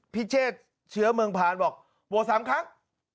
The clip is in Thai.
พิเศษเชื้อเมืองพานบอกโหวต๓ครั้ง